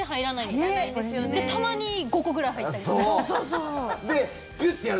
で、たまに５個ぐらい入ったりとか。